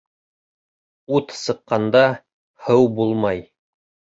Ут сыҡҡанда һыу булмай.